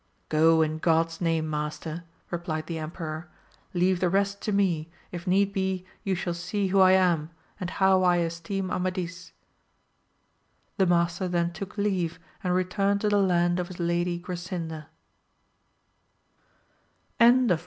Go in God's name master ! replied the emperor, leave the rest to me, if need be you shall see who I am. AMADIS OF GAUL. 137 aod how I esteem Amadis. The master then took leave and returned to the land of his lady Grasinda.